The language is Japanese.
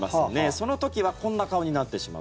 その時はこんな顔になってしまう。